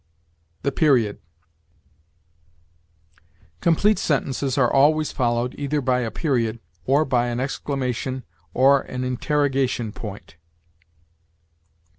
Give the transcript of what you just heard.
THE PERIOD. Complete sentences are always followed either by a period, or by an exclamation or an interrogation point.